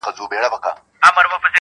ماسومان له هغه ځایه وېرېږي تل,